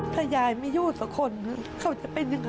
ถ้ายายไมู่้สะคนครับเขาจะเป็นอย่างไร